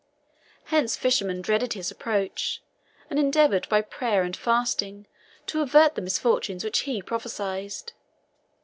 Hence fishermen dreaded his approach, and endeavoured, by prayer and fasting, to avert the misfortunes which he prophesied.